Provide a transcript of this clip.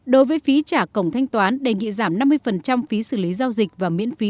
đối với phí trả cổng thanh toán đề nghị giảm năm mươi phí xử lý giao dịch và miễn phí